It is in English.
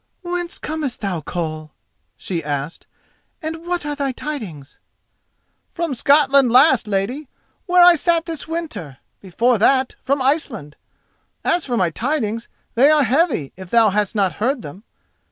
"Whence comest thou, Koll?" she asked, "and what are thy tidings?" "From Scotland last, lady, where I sat this winter; before that, from Iceland. As for my tidings, they are heavy, if thou hast not heard them.